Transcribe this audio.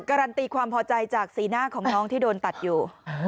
การันตีความพอใจจากสีหน้าของน้องที่โดนตัดอยู่